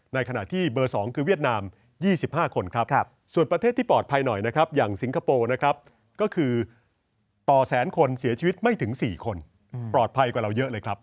ในขณะที่เบอร์๒คือเวียดนาม๒๕คนครับส่วนประเทศที่ปลอดภัยหน่อยนะครับอย่างสิงคโปร์นะครับก็คือต่อแสนคนเสียชีวิตไม่ถึง๔คนปลอดภัยกว่าเราเยอะเลยครับ